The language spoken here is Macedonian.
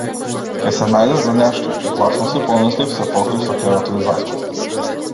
Ќе се најде за нешто, гласно си помислив, се покрив со ќебето и заспав.